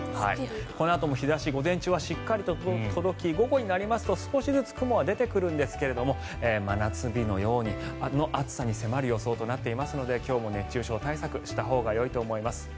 このあとも日差し、午前中はしっかりと届き午後になりますと少しずつ雲は出てくるんですが真夏日の暑さに迫る予想となっていますので今日も熱中症対策したほうがよいと思います。